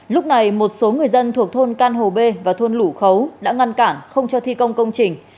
lúc này một số người dân thuộc thôn can hồ b và thôn lũ khấu đã ngăn cản không cho thi công công trình